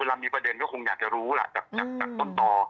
เวลามีประเด็นก็คงอยากจะรู้ล่ะจากต้นต่อ